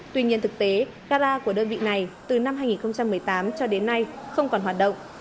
tuy nhiên thực tế gara của đơn vị này từ năm hai nghìn một mươi tám cho đến nay không còn hoạt động